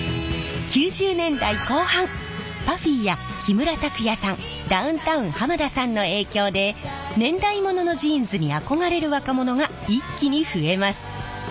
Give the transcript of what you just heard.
９０年代後半ＰＵＦＦＹや木村拓哉さんダウンタウン浜田さんの影響で年代物のジーンズに憧れる若者が一気に増えます。